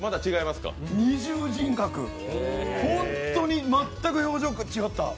二重人格、本当に全く表情が違った。